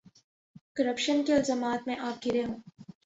Corruption کے الزامات میں آپ گھرے ہوں۔